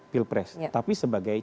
pilpres tapi sebagai